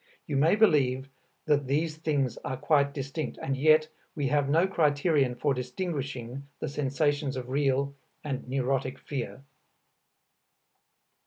You may believe that these things are quite distinct and yet we have no criterion for distinguishing the sensations of real and neurotic fear.